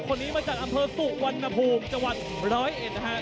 คนนี้มาจากอำเภอสุวรรณภูมิจังหวัดร้อยเอ็ดนะฮะ